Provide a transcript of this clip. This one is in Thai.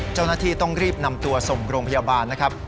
เจ้าหน้าที่ต้องรีบนำตัวส่งโรงพยาบาลนะครับ